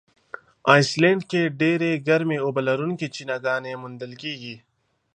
آیسلنډ کې ډېرې ګرمي اوبه لرونکي چینهګانې موندل کیږي.